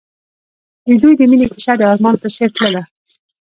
د دوی د مینې کیسه د آرمان په څېر تلله.